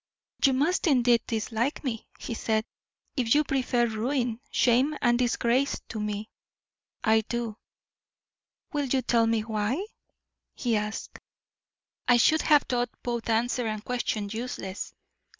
"You must indeed dislike me," he said, "if you prefer ruin, shame and disgrace to me." "I do." "Will you tell me why?" he asked. "I should have thought both answer and question useless.